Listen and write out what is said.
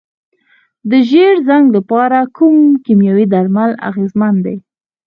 د ژیړ زنګ لپاره کوم کیمیاوي درمل اغیزمن دي؟